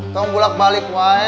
tau bulak balik mbak